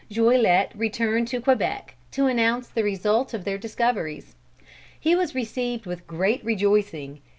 Joliete returned to Quebec to announce the result of their discoveries. He was received with great rejoicing.